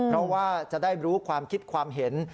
เพราะว่าจะได้รู้ความคิดความเห็น